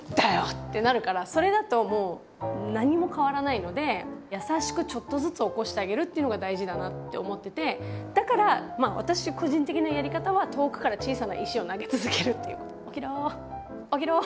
ってなるからそれだともう何も変わらないのでやさしくちょっとずつ起こしてあげるっていうのが大事だなって思っててだから私個人的なやり方は遠くから小さな石を投げ続けるっていう起きろー！